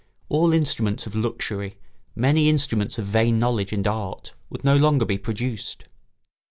All instruments of luxury, many instruments of vain knowledge and art, would no longer be produced.